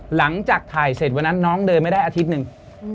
หลังจากถ่ายเสร็จวันนั้นน้องเดินไม่ได้อาทิตย์หนึ่ง